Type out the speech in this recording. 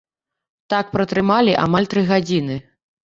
Там пратрымалі амаль тры гадзіны.